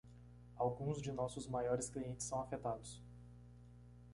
Alguns de nossos maiores clientes são afetados.